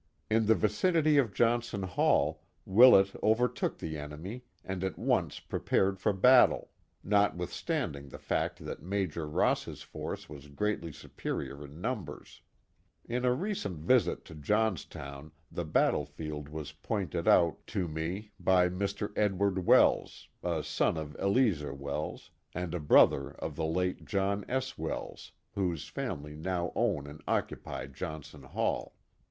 In the vicinity of Johnson Hall, Willett overtook the enemy and at once prepared for battle, notwithstanding the fact that Major Ross's force was greatly superior in nunfibers. (In a recent visit to Johnstown the battlefield was pointed out Accounts of the Notorious Butler Family 225 to me by Mr. Edward Wells, a son of Eleazer Wells, and a brother of the late John S. Wells, whose family now own and occupy Johnson Hall.